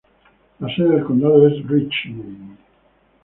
Es sede del condado de Richmond.